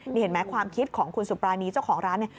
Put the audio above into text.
นี่เห็นไหมความคิดของคุณสุปรานีเจ้าของร้านเนี่ย